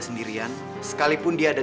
sendirian sekalipun dia ada